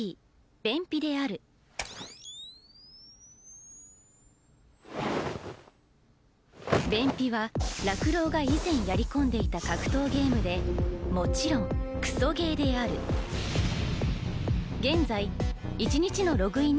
「便秘」であるカチッキュイーン「便秘」は楽郎が以前やり込んでいた格闘ゲームでもちろんクソゲーである現在１日のログイン